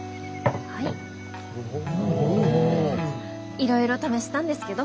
いろいろ試したんですけど